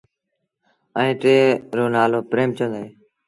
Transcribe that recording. ائيٚݩ ٽي رو نآلو پريمچند اهي۔